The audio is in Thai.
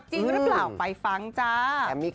จริงหรือเปล่าไปฟังจ้า